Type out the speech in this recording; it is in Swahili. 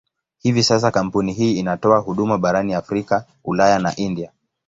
Hivi sasa kampuni hii inatoa huduma barani Afrika, Ulaya na India.